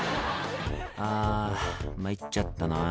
「あ参っちゃったな」